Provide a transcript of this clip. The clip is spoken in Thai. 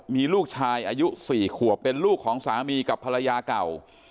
มีลูกชายอายุ๔ขวบเป็นลูกของสามีกับภรรยาเก่า